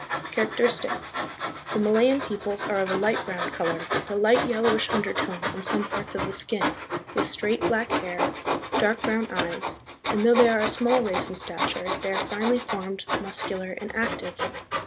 Characteristics. The Malayan peoples are of a light brown color, with a light yellowish undertone on some parts of the skin, with straight black hair, dark brown eyes, and, though they are a small race in stature, they are finely formed, muscular, and active.